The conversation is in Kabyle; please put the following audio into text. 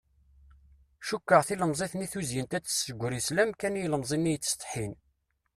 Cukkeɣ tilemẓit-nni tuzyint ad s-tessegri sslam kan i ilemẓi-nni yettsetḥin.